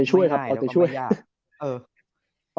เอาแต่ช่วยครับ